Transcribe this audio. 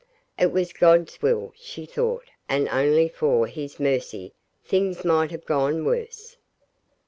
It was God's will, she thought, and only for His mercy things might have gone worse.